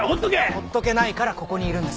ほっとけないからここにいるんです。